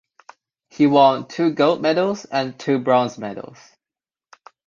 He won two gold medals and two bronze medals.